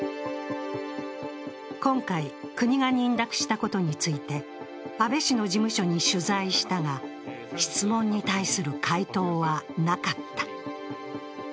今回、国が認諾したことについて安倍氏の事務所に取材したが、質問に対する回答はなかった。